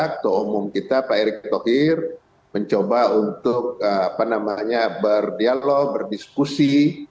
ketua umum kita pak erick thohir mencoba untuk berdialog berdiskusi